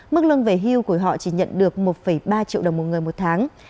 mức lương về hưu của họ chỉ nhận được một ba triệu đồng một người một tháng